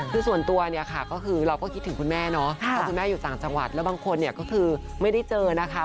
คือส่วนตัวเนี่ยค่ะก็คือเราก็คิดถึงคุณแม่เนาะเพราะคุณแม่อยู่ต่างจังหวัดแล้วบางคนเนี่ยก็คือไม่ได้เจอนะคะ